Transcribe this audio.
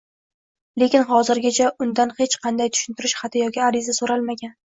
lekin hozirgacha undan hech qanday tushuntirish xati yoki ariza so'ralmagan.